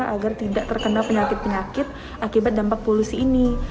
agar tidak terkena penyakit penyakit akibat dampak polusi ini